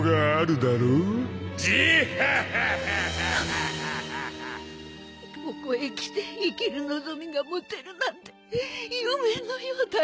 ジーッハッハッハッハッここへ来て生きる望みが持てるなんて夢のようだよ